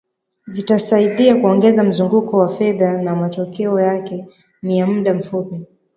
Zitasaidia kuongeza mzunguko wa fedha na matokeo yake ni ya muda mfupi